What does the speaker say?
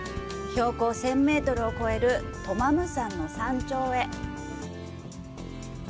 標高１０００メートルを超えるトマム山の山頂へ。